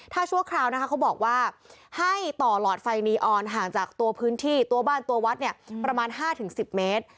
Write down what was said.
ถ้าชั่วคราวนะคะเขาบอกว่าให้ต่อหลอดไฟนีออนห่างจากตัวพื้นที่ตัวบ้านตัววัดเนี่ยประมาณ๕๑๐เมตร